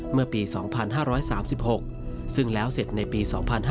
เมื่อปี๒๕๓๖ซึ่งแล้วเสร็จในปี๒๕๕๙